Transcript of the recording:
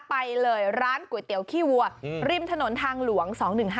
ไปเลยร้านก๋วยเตี๋ยวขี้วัวริมถนนทางหลวง๒๑๕